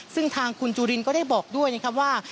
ซึ่งทางคุณจุลินก็ได้บอกด้วยนะครับว่า